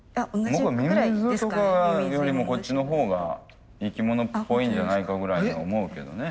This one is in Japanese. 僕ミミズとかよりもこっちのほうが生き物っぽいんじゃないかぐらいに思うけどね。